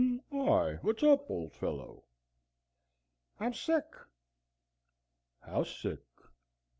"Why, wot's up, old fellow?" "I'm sick." "How sick!"